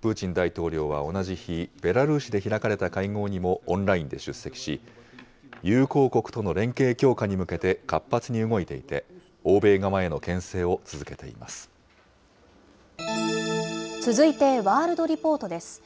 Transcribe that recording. プーチン大統領は同じ日、ベラルーシで開かれた会合にもオンラインで出席し、友好国との連携強化に向けて活発に動いていて、続いてワールドリポートです。